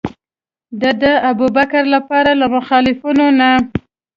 ده د ابوبکر لپاره له مخالفینو نه.